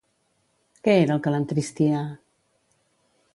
Què era el que l'entristia?